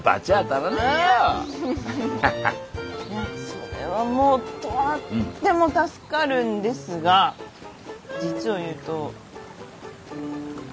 それはもうとっても助かるんですが実を言うとちょっとまだ行き先が。